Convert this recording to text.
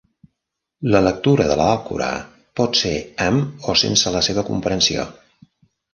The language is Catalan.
La lectura de l'Alcorà pot ser amb o sense la seva comprensió.